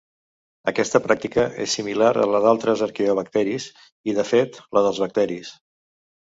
Aquesta pràctica és similar a la d'altres arqueobacteris i, de fet, la dels bacteris.